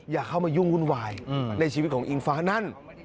อย่าเข้ามายุ่งวุ่นวายในชีวิตของอิงฟ้านั่น